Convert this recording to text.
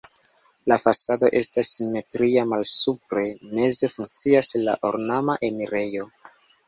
La fasado estas simetria, malsupre meze funkcias la ornama enirejo.